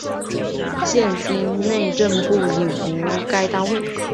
现今内政部已无该单位。